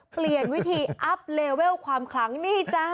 เปลี่ยนวิธีอัพเลเวลความคลังนี่จ้า